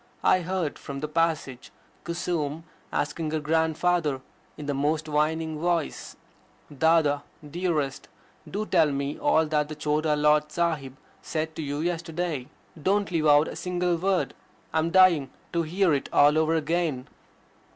I heard from the passage Kusum asking her grandfather in the most winning voice: "Dada, dearest, do tell me all that the Chota Lord Sahib said to you yesterday. Don't leave out a single word. I am dying to hear it all over again."